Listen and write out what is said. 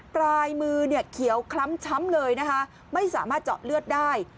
ปลายมือเนี่ยเขียวคล้ำช้ำเลยนะคะไม่สามารถเจาะเลือดได้